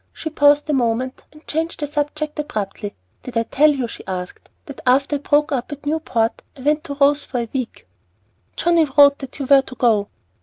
She paused a moment, and changed the subject abruptly. "Did I tell you," she asked, "that after I broke up at Newport I went to Rose for a week?" "Johnnie wrote that you were to go."